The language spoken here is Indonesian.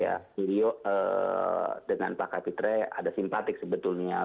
ya beliau dengan pak kapitra ada simpatik sebetulnya